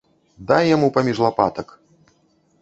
Дай яму паміж лапатак!